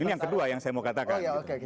ini yang kedua yang saya mau katakan